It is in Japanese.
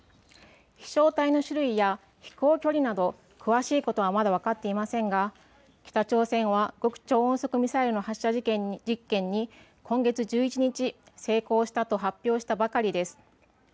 飛しょう体の種類や飛行距離など詳しいことは分かっていませんが北朝鮮は極超音速ミサイルの発射実験に今月１１日、成功したと発表したばかりです。